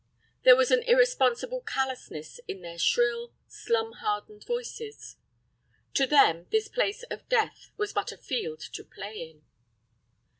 There was an irresponsible callousness in their shrill, slum hardened voices. To them this place of Death was but a field to play in.